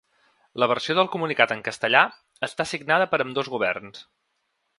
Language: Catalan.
La versió del comunicat en castellà està signada per ambdós governs.